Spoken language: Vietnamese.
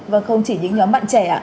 và không chỉ những nhóm bạn trẻ